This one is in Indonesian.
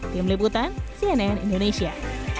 tim liputan cnn indonesia